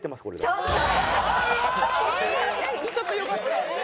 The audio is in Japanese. ああちょっとよかった。